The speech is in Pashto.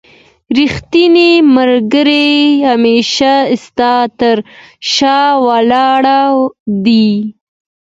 رښتينی ملګری هميشه ستا تر شا ولاړ دی